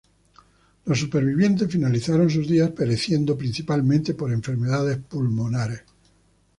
Los supervivientes finalizaron sus días pereciendo principalmente por enfermedades pulmonares.